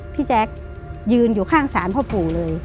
พี่แจ๊คยืนอยู่ข้างศาลพ่อปู่เลย